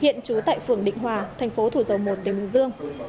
hiện trú tại phường định hòa thành phố thủ dầu một tỉnh bình dương